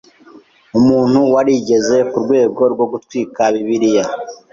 umuntu warigeze ku rwego rwo gutwika bibiliya